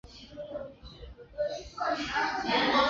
库埃特最为人所知的是他在流变学和流体流动理论的贡献。